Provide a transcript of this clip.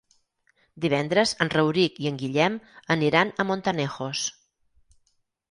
Divendres en Rauric i en Guillem aniran a Montanejos.